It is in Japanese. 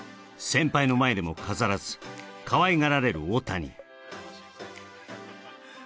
先輩の前でも飾らず、かわいがられる大谷。